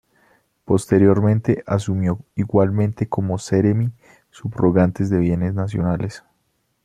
Posteriormente asumió igualmente como Seremi subrogante de Bienes Nacionales.